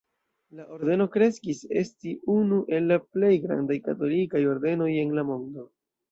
La ordeno kreskis esti unu el la plej grandaj katolikaj ordenoj en la mondo.